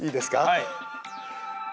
はい。